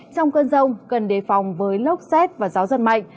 trong cơn rông cần đề phòng với lốc xét và gió giật mạnh